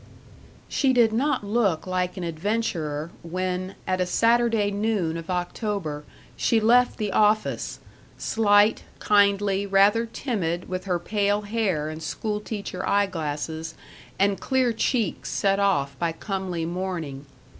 She did not look like an adventurer when, at a Saturday noon of October, she left the office slight, kindly, rather timid, with her pale hair and school teacher eye glasses, and clear cheeks set off by comely mourning.